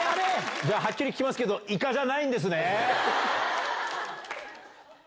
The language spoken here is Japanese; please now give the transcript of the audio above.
じゃあ、はっきり聞きますけど、イカじゃないんですね？